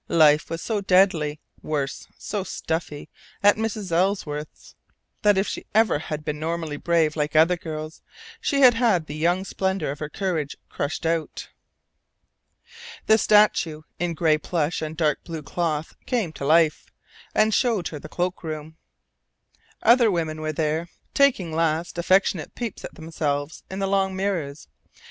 Life was so deadly, worse so stuffy at Mrs. Ellsworth's, that if she had ever been normally brave like other girls, she had had the young splendour of her courage crushed out. The statue in gray plush and dark blue cloth came to life, and showed her the cloak room. Other women were there, taking last, affectionate peeps at themselves in the long mirrors.